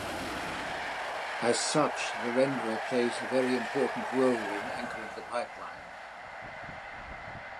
As such, the renderer plays a very important role in anchoring the pipeline.